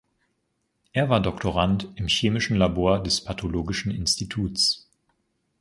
Er war Doktorand im chemischen Labor des Pathologischen Instituts.